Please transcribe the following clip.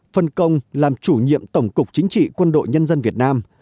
phân công làm chủ nhiệm tổng cục chính trị quân đội nhân dân việt nam